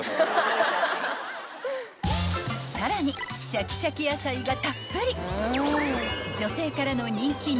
［さらにシャキシャキ野菜がたっぷり］